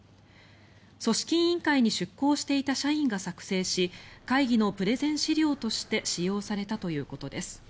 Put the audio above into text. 組織委員会に出向していた社員が作成し会議のプレゼン資料として使用されたということです。